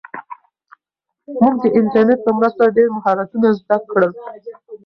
موږ د انټرنیټ په مرسته ډېر مهارتونه زده کړل.